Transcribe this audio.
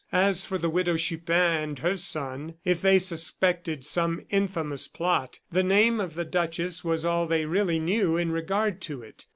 As for the Widow Chupin and her son, if they suspected some infamous plot, the name of the duchess was all they really knew in regard to it.